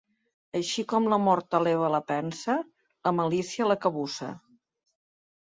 Així com l'amor eleva la pensa, la malícia la cabussa.